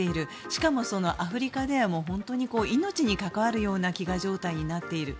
しかもアフリカでは本当に命に関わるような飢餓状態になっている。